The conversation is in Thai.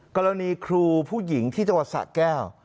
กรณีครูผู้หญิงที่จังหวัดสะแก้ว